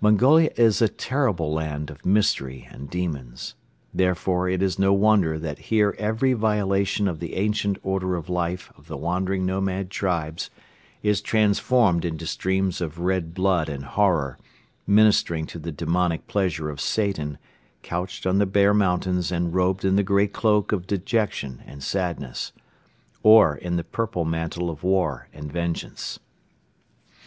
Mongolia is a terrible land of mystery and demons. Therefore it is no wonder that here every violation of the ancient order of life of the wandering nomad tribes is transformed into streams of red blood and horror, ministering to the demonic pleasure of Satan couched on the bare mountains and robed in the grey cloak of dejection and sadness, or in the purple mantle of war and vengeance.